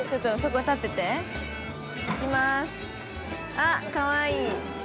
あ、かわいい。